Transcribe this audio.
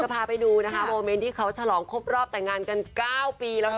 จะพาไปดูเวิเมนท์ที่เขาฉลองครบรอบแต่งงานกัน๙ปีแล้วนะ